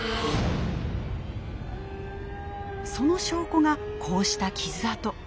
その証拠がこうした傷痕。